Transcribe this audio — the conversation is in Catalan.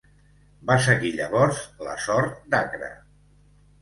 Va seguir llavors la sort d'Acre.